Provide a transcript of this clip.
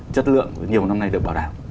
chất lượng nhiều năm nay được bảo đảm